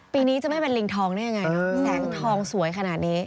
ปีนี้จะไม่เป็นลิงทองได้ยังไงเนอะแสงทองสวยขนาดนี้